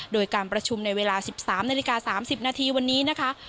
โดยการประชุมในเวลา๑๓๓๐วันนี้นะคะ